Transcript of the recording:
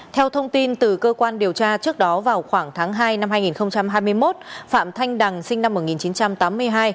theo thông tin từ cơ quan điều tra trước đó vào khoảng tháng hai năm hai nghìn hai mươi một phạm thanh đằng sinh năm một nghìn chín trăm tám mươi hai